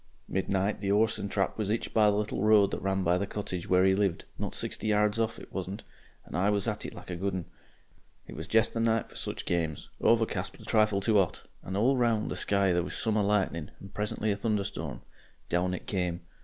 "Midnight the 'orse and trap was 'itched by the little road that ran by the cottage where 'e lived not sixty yards off, it wasn't and I was at it like a good 'un. It was jest the night for such games overcast but a trifle too 'ot, and all round the sky there was summer lightning and presently a thunderstorm. Down it came.